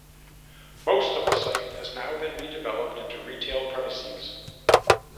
Most of the site has now been redeveloped into retail premises.